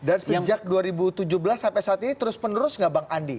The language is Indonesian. dan sejak dua ribu tujuh belas sampai saat ini terus penerus tidak bang andi